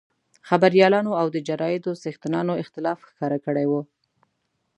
خبریالانو او د جرایدو څښتنانو اختلاف ښکاره کړی وو.